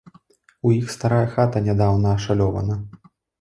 У іх старая хата нядаўна ашалёвана.